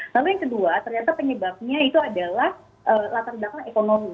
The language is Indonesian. lalu yang kedua ternyata penyebabnya itu adalah latar belakang ekonomi